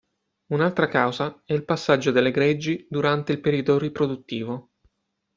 Un'altra causa è il passaggio delle greggi durante il periodo riproduttivo.